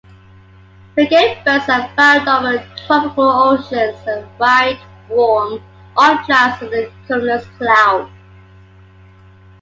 Frigatebirds are found over tropical oceans, and ride warm updrafts under cumulus clouds.